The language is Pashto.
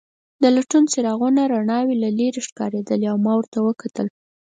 د لټون څراغونو رڼاوې له لیرې ښکارېدلې او ما ورته کتل.